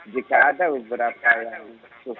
jika ada beberapa yang sukses